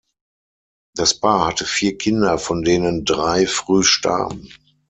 Das Paar hatte vier Kinder, von denen drei früh starben.